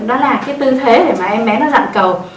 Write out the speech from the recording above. đó là cái tư thế để mà em bé nó dặn cầu